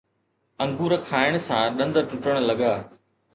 انگور کائڻ سان ڏند ٽٽڻ لڳا